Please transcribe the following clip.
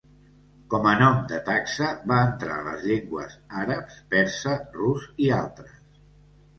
Com a nom de taxa va entrar a les llengües àrab, persa, rus i altres.